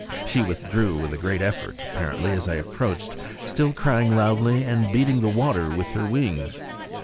She withdrew with a great effort, apparently, as I approached, still crying loudly and beating the water with her wings.